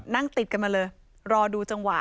นั่งติดกันมาเลยรอดูจังหวะ